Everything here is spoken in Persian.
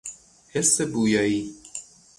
حس بویایی